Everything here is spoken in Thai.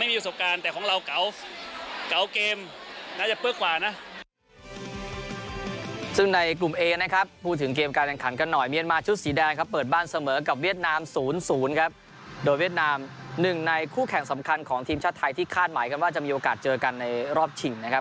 โดยเวียดนามหนึ่งในคู่แข่งสำคัญของทีมชาติไทยที่คาดหมายว่าจะมีโอกาสเจอกันในรอบชิงนะครับ